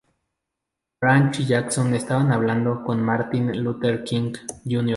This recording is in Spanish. Branch y Jackson estaban hablando con Martin Luther King, Jr.